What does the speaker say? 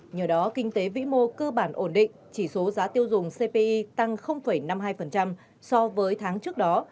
nhờ đó kinh tế vĩ mô cơ bản ổn định chỉ số giá tiêu dùng cpi tăng năm mươi hai so với tháng trước đó